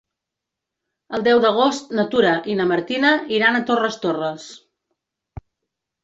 El deu d'agost na Tura i na Martina iran a Torres Torres.